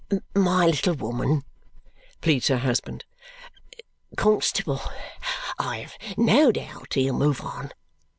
"My little woman!" pleads her husband. "Constable, I have no doubt he'll move on.